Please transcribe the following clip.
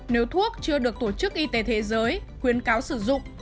nếu thuốc chưa được tổ chức y tế thế giới khuyến cáo sử dụng